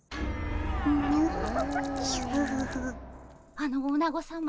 あのおなごさま